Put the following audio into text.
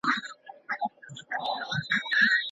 څه شي د انسان په کړنو کي د مسؤلیت احساس ژوندی ساتي؟